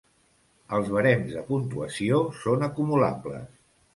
Els barems de puntuació són acumulables.